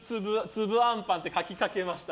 「つぶあんぱん」って書きかけました。